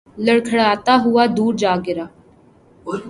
لڑھکتا ہوا دور جا گرا